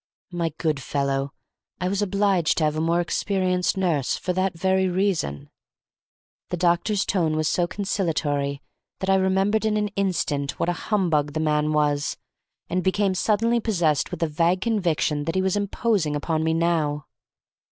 "My good fellow, I was obliged to have a more experienced nurse for that very reason." The doctor's tone was so conciliatory that I remembered in an instant what a humbug the man was, and became suddenly possessed with the vague conviction that he was imposing upon me now.